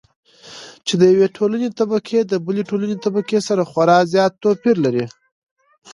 چې د يوې ټولنې طبقې د بلې ټولنې طبقې سره خورا زيات توپېر لري.